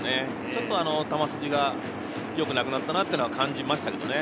ちょっと球筋がよくなくなったなって言うような感じましたけどね。